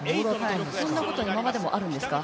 そんなことは今までもあるんですか？